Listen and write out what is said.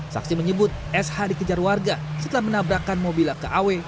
saksi menyebut sh dikejar warga setelah menabrakkan mobil akw